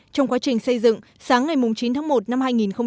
trong quá trình xây dựng sáng ngày chín tháng một năm hai nghìn hai mươi